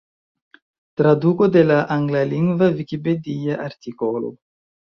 Traduko de la anglalingva vikipedia artikolo.